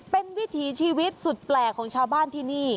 เป็นวิถีชีวิตสุดแปลกของชาวบ้านที่นี่